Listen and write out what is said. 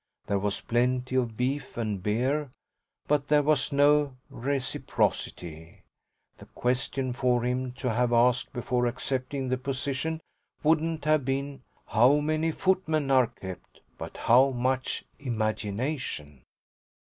There was plenty of beef and beer, but there was no reciprocity. The question for him to have asked before accepting the position wouldn't have been "How many footmen are kept?" but "How much imagination?"